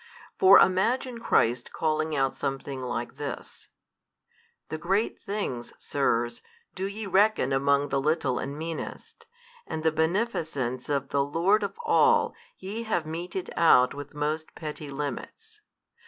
For imagine Christ calling out something like this, The great things, sirs, do ye reckon among the little and meanest, and the beneficence of the Lord of all ye have meted out with most petty limits.